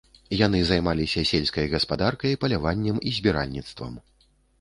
Яны займаліся сельскай гаспадаркай, паляваннем і збіральніцтвам.